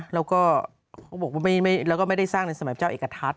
เราก็บอกว่าเราก็ไม่ได้สร้างในสมัยเจ้าเอกทัศน์